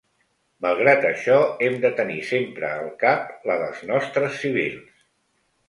Malgrat això, hem de tenir sempre al cap la dels nostres civils.